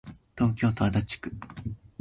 東京都足立区